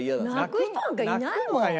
泣く人なんかいないもん。